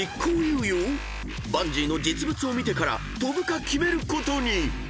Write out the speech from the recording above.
［バンジーの実物を見てから飛ぶか決めることに］